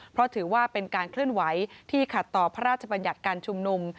เพราะถือว่าเป็นการเคลื่อนไหวที่ขัดต่อพระราชบัญญัติการชุมนุม